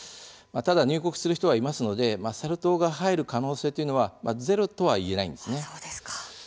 ただ、入国する人はいますのでサル痘が入る可能性というのはゼロとはいえないんです。